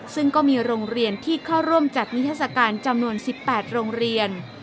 ซึ่งก็มีโรงเรียนที่เข้าร่วมจัดนิทัศกาลจำนวน๑๘โรงเรียน